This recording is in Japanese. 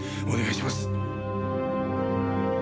お願いします。